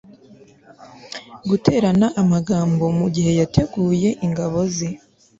guterana amagambo mugihe yateguye ingabo ze